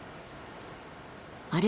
あれ！？